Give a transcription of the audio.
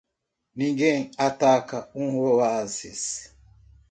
Ninguém ataca um oásis.